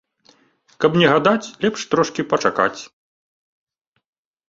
Каб не гадаць, лепш трошкі пачакаць.